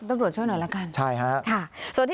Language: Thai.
ดรช่วยหน่อยละกันค่ะส่วนที่